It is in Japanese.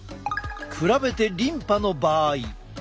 比べてリンパの場合。